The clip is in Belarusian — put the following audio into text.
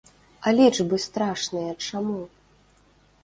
А лічбы страшныя чаму?